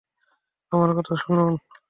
আমার কথা শুনুন।